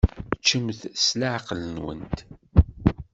Ččemt s leɛqel-nwent.